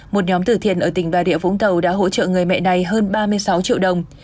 một nhóm tử thi ở tỉnh bà địa vũng tàu đã hỗ trợ người mẹ này hơn ba mươi sáu triệu đồng